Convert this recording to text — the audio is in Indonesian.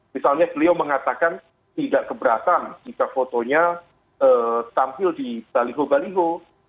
misalnya beliau mengatakan tidak keberatan jika fotonya tampil di baliho baliho